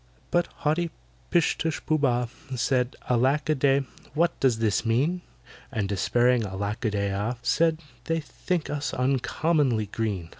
But haughty PISH TUSH POOH BAH Said, "ALACK A DEY, what does this mean?" And despairing ALACK A DEY AH Said, "They think us uncommonly green!